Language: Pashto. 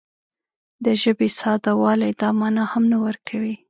د ژبې ساده والی دا مانا هم نه ورکوي